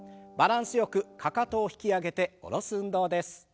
バランスよくかかとを引き上げて下ろす運動です。